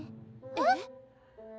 えっ？